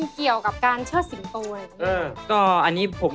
ขอบคุณมาก